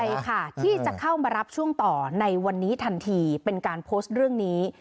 ใช่ค่ะที่จะเข้ามารับช่วงต่อในวันนี้ทันทีเป็นการโพสต์เรื่องนี้